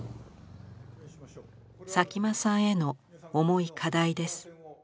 佐喜眞さんへの重い課題です。